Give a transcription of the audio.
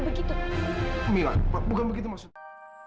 begitu bukan begitu maksudnya